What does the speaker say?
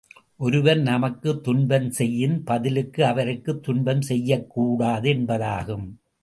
ஒருவர் நமக்குத் துன்பம் செய்யின், பதிலுக்கு அவருக்குத் துன்பம் செய்யக்கூடாது என்பதாகும்.